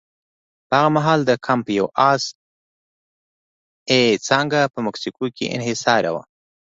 په هغه مهال د کمپ یو اس اې څانګه په مکسیکو کې انحصاري وه.